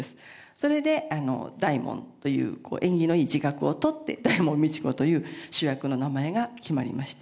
それで大門という縁起のいい字画をとって大門未知子という主役の名前が決まりました。